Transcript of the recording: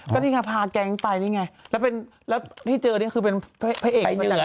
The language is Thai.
ก็นี่ไงพาแก๊งไปนี่ไงแล้วที่เจอนี่คือเป็นพระเอกเหนือ